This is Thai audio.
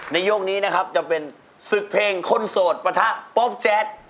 ยกนี้นะครับจะเป็นศึกเพลงคนโสดปะทะโป๊ปแจ๊ด